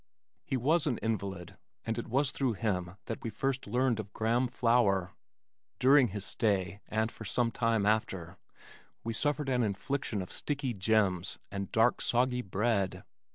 He was an invalid, and it was through him that we first learned of graham flour. During his stay (and for some time after) we suffered an infliction of sticky "gems" and dark soggy bread.